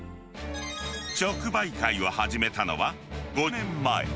直売会を始めたのは、５年前。